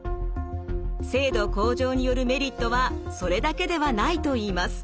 精度向上によるメリットはそれだけではないといいます。